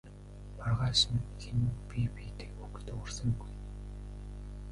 Маргааш нь хэн нь бие биедээ үг дуугарсангүй.